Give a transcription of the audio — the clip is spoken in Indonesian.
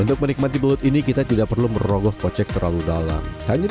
untuk menikmati belut ini kita tidak perlu merogoh kocek terlalu dalam